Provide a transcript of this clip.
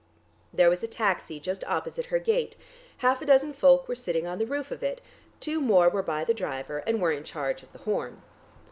There was a taxi just opposite her gate; half a dozen folk were sitting on the roof of it, two more were by the driver, and were in charge of the horn....